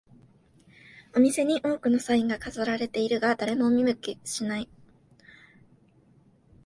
お店に多くのサインが飾られているが、誰も見向きもしない